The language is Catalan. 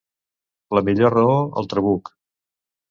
La millor raó: el trabuc.